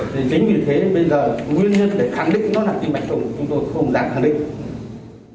thì chính vì thế bây giờ nguyên nhân để khẳng định nó là tim mạch thổng của chúng tôi không dám khẳng định